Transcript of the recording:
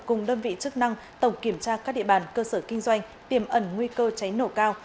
cùng đơn vị chức năng tổng kiểm tra các địa bàn cơ sở kinh doanh tiềm ẩn nguy cơ cháy nổ cao